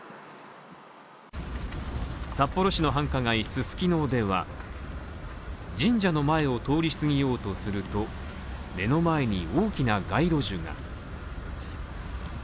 札幌市の繁華街・ススキノでは、神社の前を通り過ぎようとすると、目の前に大きな街路樹が。